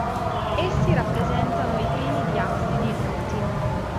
Essi rappresentano i primi diapsidi noti.